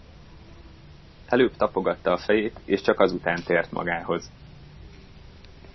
Előbb tapogatta a fejét, és csak azután tért magához.